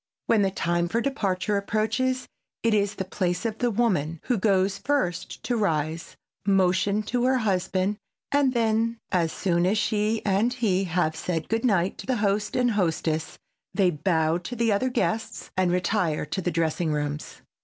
When the time for departure approaches it is the place of the woman who goes first to rise, motion to her husband, and then as soon as she and he have said good night to the host and hostess, they bow to the other guests, and retire to the dressing rooms.